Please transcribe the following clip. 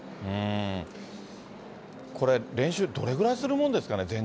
これ練習、どれぐらいするもんですかね？